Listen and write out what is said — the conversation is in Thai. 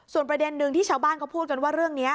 ส่วนประเด็นหนึ่งที่ชาวบ้านเขาพูดกันว่าเรื่องนี้